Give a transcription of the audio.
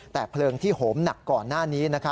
แต่เพลิงที่โหมหนักก่อนหน้านี้